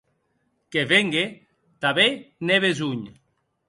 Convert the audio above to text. Que vengue, tanben n'è besonh.